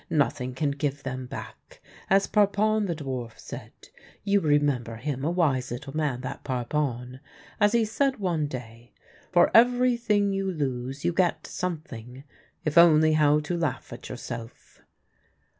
Nothing can give them back. As Parpon the dwarf said — you remember him, a wise little man, that Parpon — as he said one day, ' For everything you lose you get something, if only how to laugh at yourself